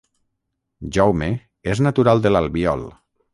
Jaume és natural de l'Albiol